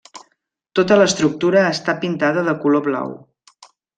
Tota l'estructura està pintada de color blau.